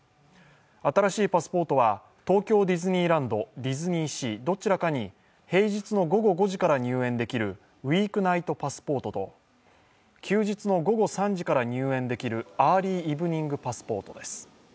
新しいパスポートは東京ディズニーランド、ディズニーシー、どちらかに平日の午後５時から入園できるウィークナイトパスポートと、休日の午後３時から入園できるアーリーイブニングパスポートです。